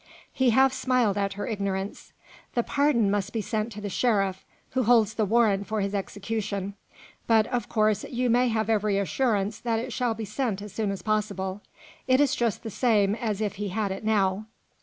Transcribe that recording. He half smiled at her ignorance. "The pardon must be sent to the sheriff, who holds the warrant for his execution. But, of course, you may have every assurance that it shall be sent as soon as possible. It is just the same as if he had it now."